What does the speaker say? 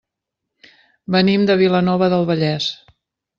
Venim de Vilanova del Vallès.